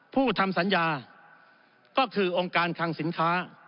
ทำสัญญาก็คือองค์การคังสินค้า